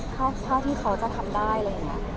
ถ้าที่เขาจะทำได้อะไรอย่างนี้